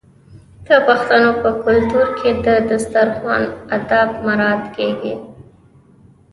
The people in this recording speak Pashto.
د پښتنو په کلتور کې د دسترخان اداب مراعات کیږي.